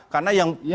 karena yang pengen